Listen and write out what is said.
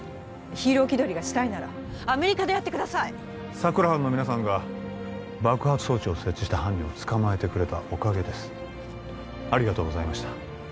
ヒーロー気取りがしたいならアメリカでやってください佐久良班の皆さんが爆発装置を設置した犯人を捕まえてくれたおかげですありがとうございました